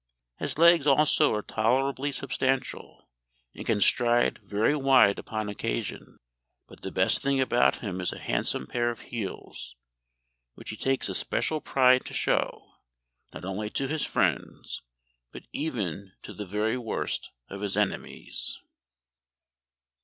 His legs also are tolerably substantial, and can stride very wide upon occasion; but the best thing about him is a handsome pair of heels, which he takes especial pride to show, not only to his friends, but even to the very worst of his enemies."